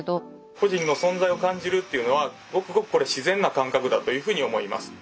個人の存在を感じるっていうのはごくごくこれ自然な感覚だというふうに思います。